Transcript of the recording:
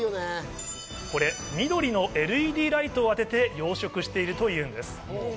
これ、緑のＬＥＤライトを当てて養殖しているというんです。